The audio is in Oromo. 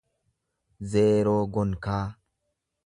zeeroo gonkaa